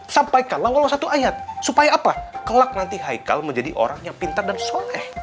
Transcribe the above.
sampaikanlah walau satu ayat supaya apa kelak nanti haikal menjadi orang yang pintar dan soleh